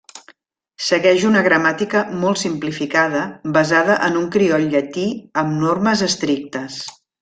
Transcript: Segueix una gramàtica molt simplificada basada en un crioll llatí amb normes estrictes.